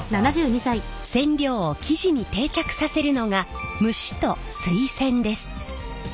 染料を生地に定着させるのが蒸しと水洗です。